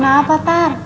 lo kenapa tar